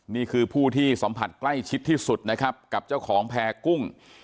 นี่คือผู้ที่สัมผัสใกล้ชิดที่สุดนะครับกับเจ้าของแพร่กุ้ง